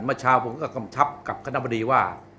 ผมก็คำชับกับคณะบดีว่า